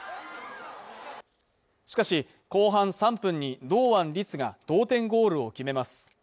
しかし後半３分に堂安律が同点ゴールを決めます